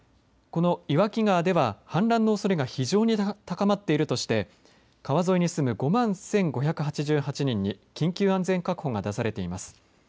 この岩木川では氾濫のおそれが非常に高まっているとして川沿いに住む５万１５８８人に緊急安全確保が出されています。